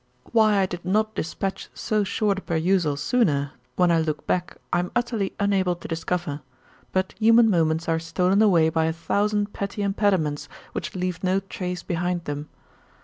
Why I did not dispatch so short a perusal sooner, when I look back, I am utterly unable to discover: but human moments are stolen away by a thousand petty impediments which leave no trace behind them.